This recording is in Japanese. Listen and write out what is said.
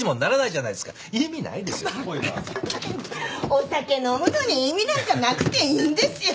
お酒飲むのに意味なんかなくていいんですよ。